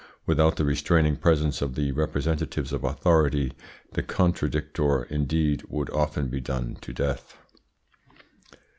Without the restraining presence of the representatives of authority the contradictor, indeed, would often be done to death.